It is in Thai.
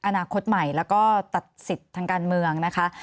อนาคตใหม่แล้วก็ตัดสิทธิ์ทางการเมืองนะคะ